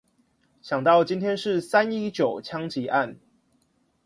想到今天是三一九槍擊案